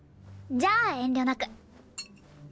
じゃあ遠慮なく。